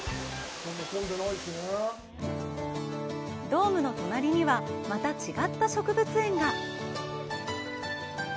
ドームの隣には、また違った植物園が。